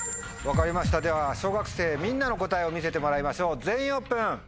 分かりましたでは小学生みんなの答えを見せてもらいましょう全員オープン。